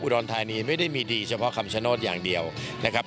รธานีไม่ได้มีดีเฉพาะคำชโนธอย่างเดียวนะครับ